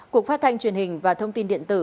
cục phát thanh truyền hình và thông tin điện tử